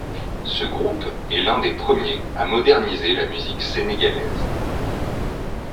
Ce groupe est l'un des premiers à moderniser la musique sénégalaise.